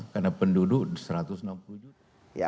karena penduduknya satu ratus enam puluh juta